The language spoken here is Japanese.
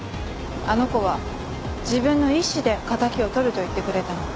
あの子は自分の意志で敵を取ると言ってくれたの。